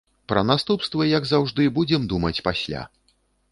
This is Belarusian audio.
Пра наступствы, як заўжды, будзем думаць пасля.